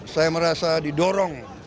saya merasa didorong